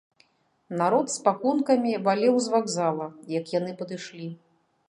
Народ з пакункамі валіў з вакзала, як яны падышлі.